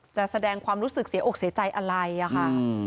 แสดงความรู้สึกเสียอกเสียใจอะไรอะค่ะ